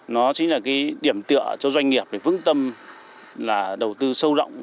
nó chính là điểm tựa cho doanh nghiệp vững tâm đầu tư sâu rộng